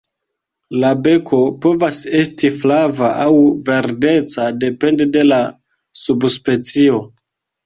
La beko povas esti flava aŭ verdeca depende de la subspecio.